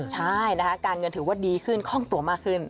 ใช่นะคะการเงินถือว่าดีขึ้นคล่องตัวมากขึ้น